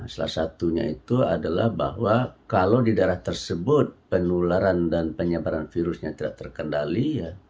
salah satunya itu adalah bahwa kalau di daerah tersebut penularan dan penyebaran virusnya tidak terkendali